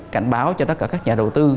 cảnh báo cho tất cả các nhà đầu tư